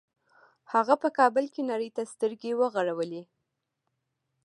هغه په کابل کې نړۍ ته سترګې وغړولې